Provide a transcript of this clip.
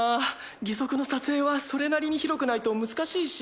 義足の撮影はそれなりに広くないと難しいし。